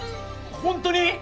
本当に！？